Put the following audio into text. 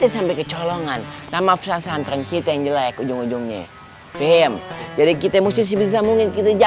sini anak kita atau